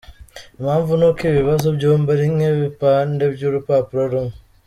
Impamvu ni uko ibi bibazo byombi ari nk’ibipande by’urupapuro rumwe.